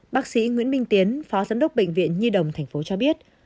bác sĩ nguyễn minh tiến phó giám đốc bệnh viện nhi đồng thành phố cho biết